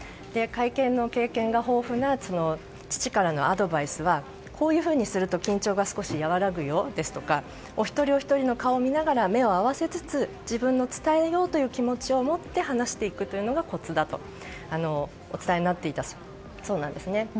会見の経験が豊富な父からのアドバイスはこういうふうにすると緊張が少し和らぐよですとかお一人お一人の顔を見ながら目を合わせつつ自分の伝えようという気持ちを持って話していくというのがコツだとお伝えになっていたそうなんです。